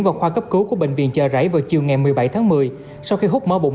vào khoa cấp cứu của bệnh viện chợ rẫy vào chiều ngày một mươi bảy tháng một mươi sau khi hút mở bụng